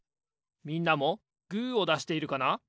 みんなもグーをだしているかな？